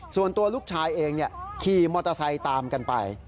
ส่วนตัวลูกชายเองขี่มอเตอร์ไซค์ตามกันไป